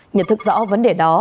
nhận thức rõ vấn đề đó